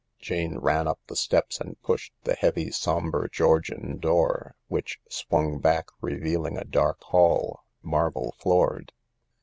Jane ran up the steps and pushed the heavy, sombre Georgian door, which swung back, revealing a dark hall —marble floored.